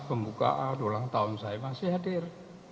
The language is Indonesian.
pembukaan ulang tahun saya masih hadir